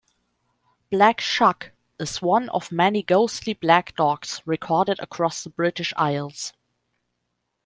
Black Shuck is one of many ghostly black dogs recorded across the British Isles.